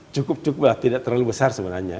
cukup cukup lah tidak terlalu besar sebenarnya